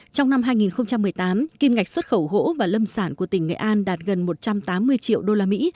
trong năm hai nghìn một mươi tám kim ngạch xuất khẩu hỗ và lâm sản của tỉnh nghệ an đạt gần một trăm tám mươi triệu usd